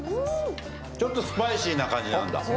ちょっとスパイシーな感じなんだ。